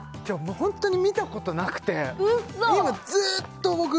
本当に見たことなくて今ずーっとウソ？